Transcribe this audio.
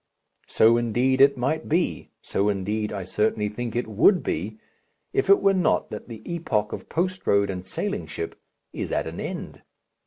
So, indeed, it might be so, indeed, I certainly think it would be if it were not that the epoch of post road and sailing ship is at an end.